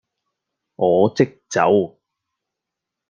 我即走